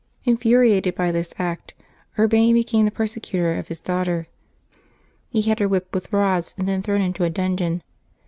Infuriated by this act, Urbain became the persecutor of his daughter ; he had her whipped with rods and then thrown into a dungeon.